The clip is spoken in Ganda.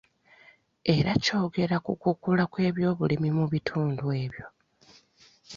Era kyongera ku kukula kw'ebyobulimi mu bitundu ebyo.